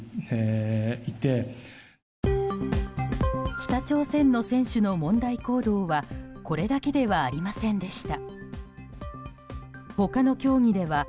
北朝鮮の選手の問題行動はこれだけではありませんでした。